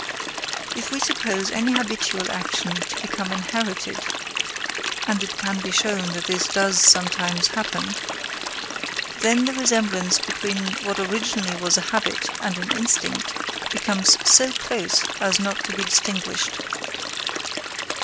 If we suppose any habitual action to become inherited—and it can be shown that this does sometimes happen—then the resemblance between what originally was a habit and an instinct becomes so close as not to be distinguished.